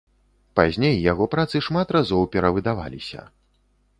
Пазней яго працы шмат разоў перавыдаваліся.